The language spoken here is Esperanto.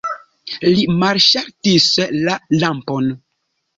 Li malŝaltis la lampon.